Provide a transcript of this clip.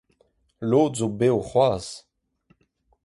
Lod 'zo bev c'hoazh.